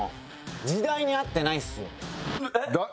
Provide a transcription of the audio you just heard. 時代に合ってないっすよ。